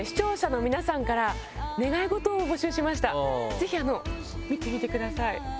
ぜひ見てみてください。